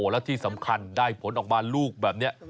และที่สำคัญได้ผลออกมาลูกแบบนี้